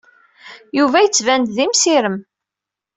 Yuba yettban-d d imsirem.